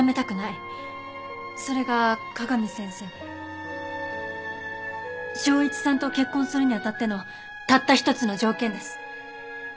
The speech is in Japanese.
それが香美先生昇一さんと結婚するにあたってのたった一つの条件です。